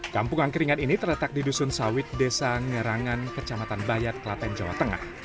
kampung angkringan ini terletak di dusun sawit desa ngerangan kecamatan bayat klaten jawa tengah